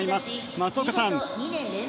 松岡さん！